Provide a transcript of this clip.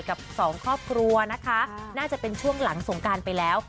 กับสองครอบครัวนะคะน่าจะเป็นช่วงหลังสงการไปแล้ว